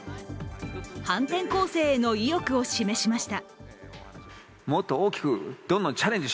反転攻勢への意欲を示しました。